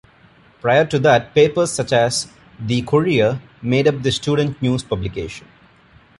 Prior to that, papers such as "The Courier" made up the student news publications.